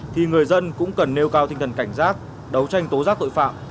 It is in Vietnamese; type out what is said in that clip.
thì người dân cũng cần nêu cao tinh thần cảnh giác đấu tranh tố giác tội phạm